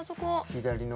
左の。